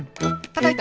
たたいた！